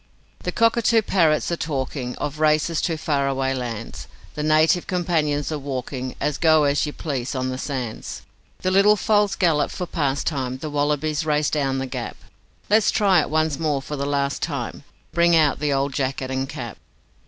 'The cockatoo parrots are talking Of races to far away lands; The native companions are walking A go as you please on the sands; The little foals gallop for pastime; The wallabies race down the gap; Let's try it once more for the last time, Bring out the old jacket and cap.